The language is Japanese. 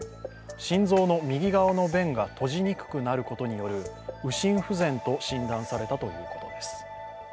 心臓の右側の弁が閉じにくくなることによる右心不全と診断されたということです。